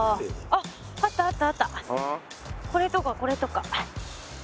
これとかこれとか。